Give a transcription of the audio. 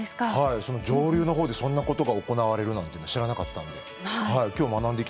上流のほうでそんなことが行われるなんて知らなかったんで。